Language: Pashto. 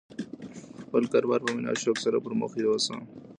خپل کاروبار په مینه او شوق سره پرمخ یوسه.